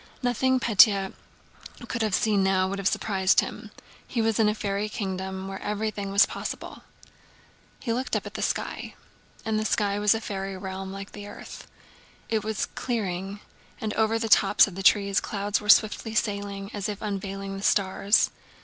Nothing Pétya could have seen now would have surprised him. He was in a fairy kingdom where everything was possible. He looked up at the sky. And the sky was a fairy realm like the earth. It was clearing, and over the tops of the trees clouds were swiftly sailing as if unveiling the stars.